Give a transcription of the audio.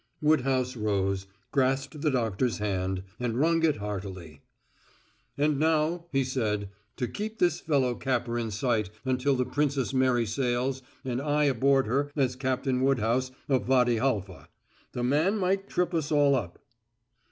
Woodhouse rose, grasped the doctor's hand, and wrung it heartily. "And now," he said, "to keep this fellow Capper in sight until the Princess Mary sails and I aboard her as Captain Woodhouse, of Wady Halfa. The man might trip us all up."